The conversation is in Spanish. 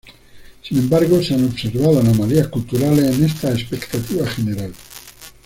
Sin embargo, se han observado anomalías culturales en esta expectativa general.